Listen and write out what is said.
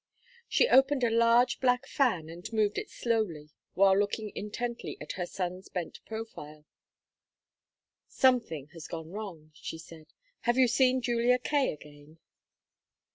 She opened a large black fan and moved it slowly while looking intently at her son's bent profile. "Something has gone wrong," she said. "Have you seen Julia Kaye again?"